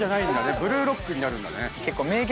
「ブルーロック」になるんだね。